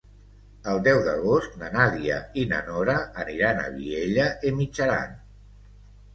El deu d'agost na Nàdia i na Nora aniran a Vielha e Mijaran.